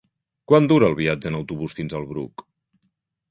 Quant dura el viatge en autobús fins al Bruc?